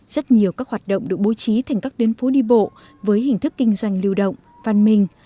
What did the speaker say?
rất nhiều các hoạt động được bố trí thành các tuyến phố đi bộ với hình thức kinh doanh lưu động văn minh